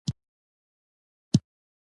ښه پلورونکی د ستونزو حل مومي.